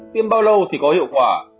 tiêm bao lâu thì có hiệu quả